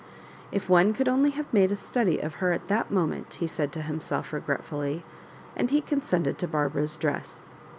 " If one could only have made a study of her at that moment," be said to himself regretfully; and he consented to Bar bara's dress.